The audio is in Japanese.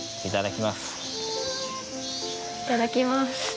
いただきます。